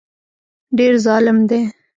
ډېر ظالم دی